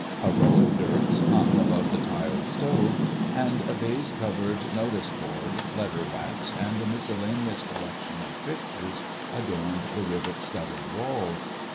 A row of dirks hung above the tiled stove, and a baize covered notice board, letter racks, and a miscellaneous collection of pictures adorned the rivet studded walls.